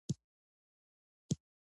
توپچي دوه ځلي ډزې وکړې.